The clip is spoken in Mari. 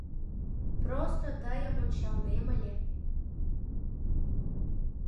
Просто тыйым ончалнем ыле.